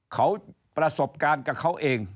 เขาประสบการณ์กับเขาเอง